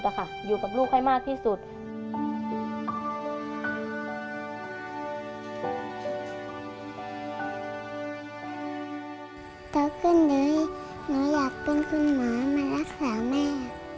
ทุกคนด้วยหนูอยากเป็นคุณหมอมารักษาแม่